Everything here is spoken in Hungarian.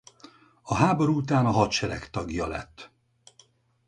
A háború után a hadsereg tagja lett.